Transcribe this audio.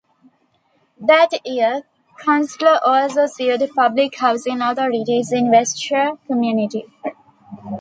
That year Kunstler also sued public housing authorities in Westchester County.